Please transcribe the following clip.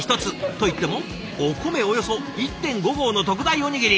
といってもお米およそ１．５合の特大おにぎり。